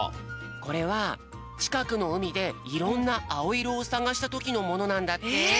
これはちかくのうみでいろんなあおいろをさがしたときのものなんだって。